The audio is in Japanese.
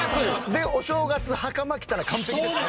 でお正月袴着たら完璧ですね。